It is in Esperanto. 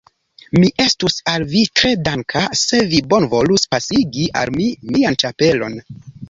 Mi estus al vi tre danka, se vi bonvolus pasigi al mi mian ĉapelon.